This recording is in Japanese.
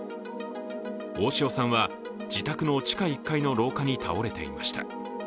大塩さんは自宅の地下１階の廊下に倒れていました。